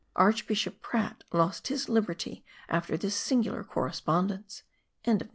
Archbishop Prat lost his liberty after this singular correspondence.)